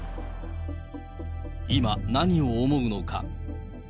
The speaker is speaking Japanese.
今、何を思うのか。